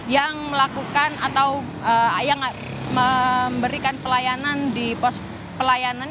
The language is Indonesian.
yang melakukan atau yang memberikan pelayanan di pos pelayanan